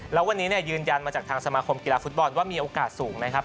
แล้ววันนี้ยืนยันมาจากทางสมาคมกีฬาฟุตบอลว่ามีโอกาสสูงนะครับ